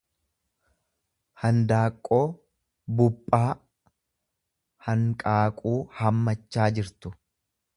handaaqqoo buphaa hanqaaquu hammachaa jirtu.